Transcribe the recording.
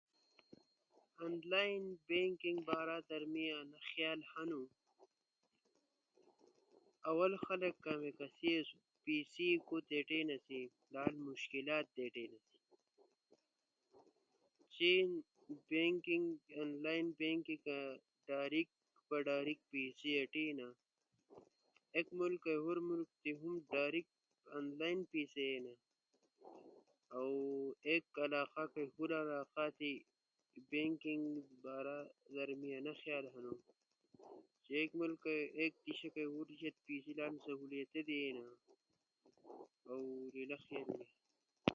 انلائن بنکنگ بارا در می انا خیال ہنو آول خلق کامیک آسی خود پسے گھٹینا سی، لالو مشکلات در گھٹیناسی۔ چین ڈاریک انلائن بنکگ کارا پیسے اٹینا، ایک ملک تی ہور ملک ہم انلائن ڈاریک پیسے آٹینا، ایک علاقہ کئی ہور علاقہ در بینکنگ بارا در می انا خیال ہنو کے ایک دیشا کئی ہورے دیشا تی پیسے لالے زبردست طریقہ تی اینا، اؤ ایلا خیال می۔